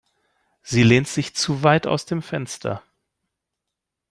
Sie lehnt sich zu weit aus dem Fenster.